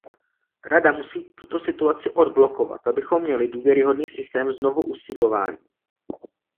Rada musí tuto situaci odblokovat, abychom měli důvěryhodný systém znovuusídlování.